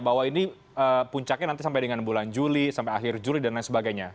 bahwa ini puncaknya nanti sampai dengan bulan juli sampai akhir juli dan lain sebagainya